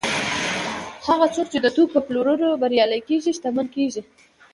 هغه څوک چې د توکو په پلورلو بریالي کېږي شتمن کېږي